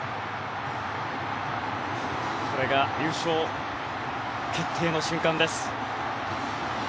これが優勝決定の瞬間です。